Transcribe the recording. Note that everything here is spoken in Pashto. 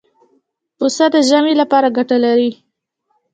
پسه د ژمې لپاره ګټه لري.